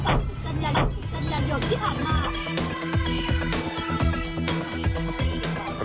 เดี๋ยวที่ผ่านมา